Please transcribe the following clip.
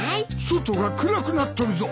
外が暗くなっとるぞ。